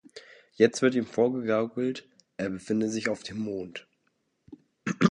Jetzt wird ihm vorgegaukelt, er befinde sich auf dem Mond.